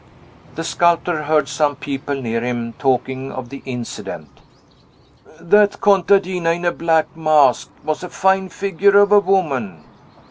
The sculptor heard some people near him talking of the incident. "That contadina, in a black mask, was a fine figure of a woman."